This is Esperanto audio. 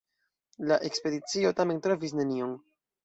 La ekspedicio tamen trovis nenion.